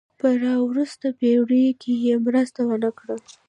په را وروسته پېړیو کې یې مرسته ونه کړه.